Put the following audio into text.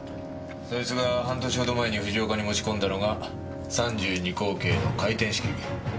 そいつが半年ほど前に藤岡に持ち込んだのが３２口径の回転式。